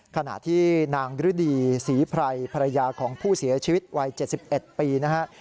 ขณะที่นางฤดีศรีไพรภรรยาของผู้เสียชีวิตวัย๗๑ปีนะฮะ